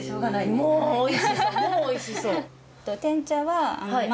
もうおいしそう！